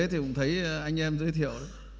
thì cũng thấy anh em giới thiệu